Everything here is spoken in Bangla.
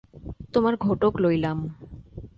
তোমার ঘোটক লইলাম।